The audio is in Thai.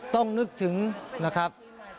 ต้องนึกถึงนะครับ